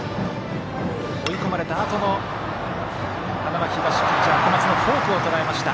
追い込まれたあとの花巻東ピッチャー、小松のフォークをとらえました。